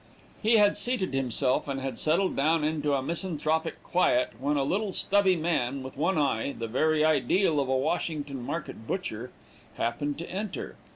He had seated himself, and had settled down into a misanthropic quiet, when a little stubby man, with one eye the very ideal of a Washington market butcher happened to enter.